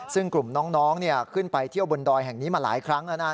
ซึ่งกลุ่มน้องขึ้นไปเที่ยวบนดอยแห่งนี้มาหลายครั้งแล้วนะ